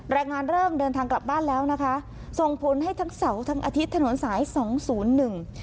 แรงงานเริ่มเดินทางกลับบ้านแล้วนะคะส่งผลให้ทั้งเสาร์ทั้งอาทิตย์ถนนสายสองศูนย์หนึ่ง